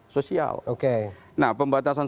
sosial oke nah pembatasan